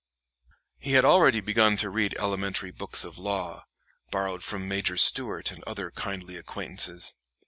LOGAN.] He had already begun to read elementary books of law, borrowed from Major Stuart and other kindly acquaintances.